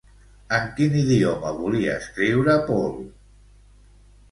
En quin idioma volia escriure Paul?